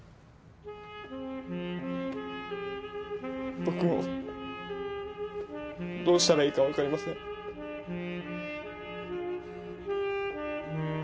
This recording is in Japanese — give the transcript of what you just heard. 僕もどうしたらいいか分かりません